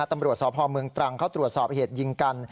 ตำรวจสพเมืองตรังเข้าตรวจสอบเหตุยิงกัน